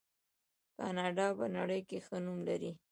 کاناډا په نړۍ کې ښه نوم لري.